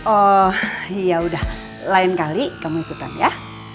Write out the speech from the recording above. oh yaudah lain kali kamu ikutan ya